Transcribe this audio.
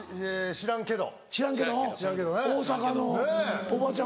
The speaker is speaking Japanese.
知らんけど。